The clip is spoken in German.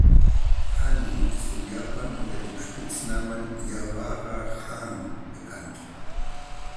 Tani ist in Japan unter dem Spitznamen "Yawara-chan" bekannt.